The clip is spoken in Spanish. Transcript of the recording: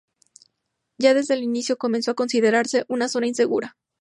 Ya desde el inicio, comenzó a considerarse una zona insegura.